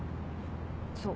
そう。